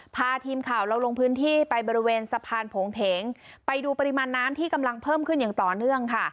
พาทีมข่าวเราลงพื้นที่ไปบริเวณสะพานโผงเพงไปดูปริมาณน้ำที่กำลังเพิ่มขึ้นอย่างต่อเนื่องค่ะ